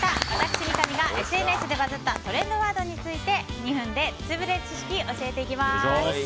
私、三上がＳＮＳでバズったトレンドワードについて２分でツウぶれる知識教えていきます。